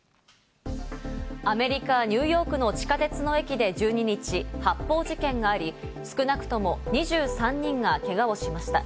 アメリカ・ニューヨークの地下鉄の駅で１２日、発砲事件があり、少なくとも２３人がけがをしました。